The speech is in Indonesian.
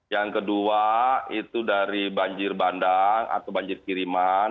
yang kedua itu dari banjir bandang atau banjir kiriman